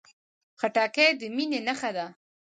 خټکی د مینې نښه ده.